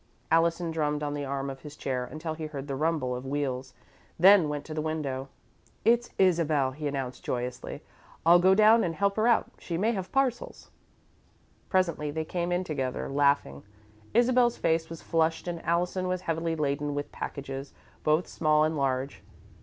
Allison drummed on the arm of his chair until he heard the rumble of wheels, then went to the window. "It's Isabel," he announced, joyously. "I'll go down and help her out she may have parcels." Presently they came in together, laughing. Isabel's face was flushed and Allison was heavily laden with packages, both small and large.